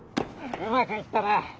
うまくいったな。